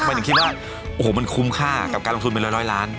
หมายถึงคิดว่าโอ้โหมันคุ้มค่ากับการลงทุนเป็นร้อยล้าน